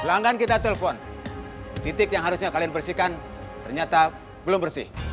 pelanggan kita telpon titik yang harusnya kalian bersihkan ternyata belum bersih